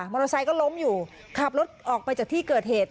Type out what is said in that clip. เตอร์ไซค์ก็ล้มอยู่ขับรถออกไปจากที่เกิดเหตุ